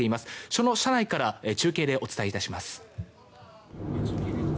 その車内から中継でお伝えいたします。